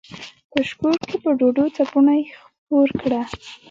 په شکور کښې په ډوډو څپُوڼے خپور کړه۔